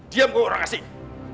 diam kau orang asing